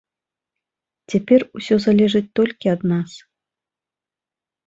Цяпер усё залежыць толькі ад нас.